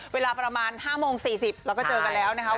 เวลาประมาณ๕โมง๔๐เราก็เจอกันแล้วนะคะ